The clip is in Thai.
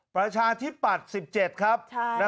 ประชาธิปัตย์๑๗ครับนะครับ